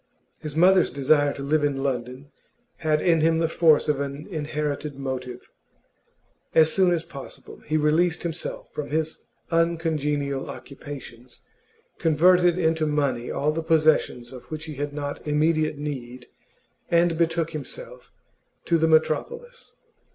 His mother's desire to live in London had in him the force of an inherited motive; as soon as possible he released himself from his uncongenial occupations, converted into money all the possessions of which he had not immediate need, and betook himself to the metropolis.